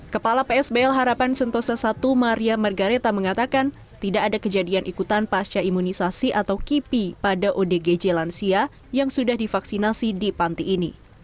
kepala psbl harapan sentosa i maria margareta mengatakan tidak ada kejadian ikutan pasca imunisasi atau kipi pada odgj lansia yang sudah divaksinasi di panti ini